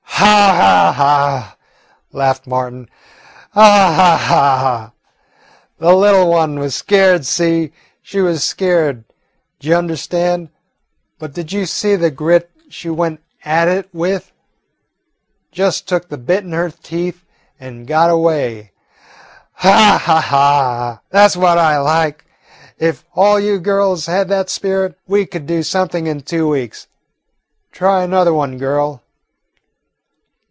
"Haw, haw, haw!" laughed Martin, "haw, haw, haw! The little one was scared, see? She was scared, d' you understand? But did you see the grit she went at it with? Just took the bit in her teeth and got away. Haw, haw, haw! Now, that 's what I like. If all you girls had that spirit, we could do something in two weeks. Try another one, girl."